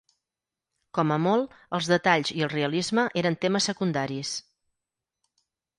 Com a molt, els detalls i el realisme eren temes secundaris.